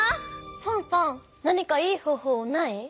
ファンファン何かいいほうほうない？